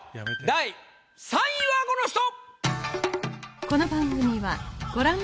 第３位はこの人！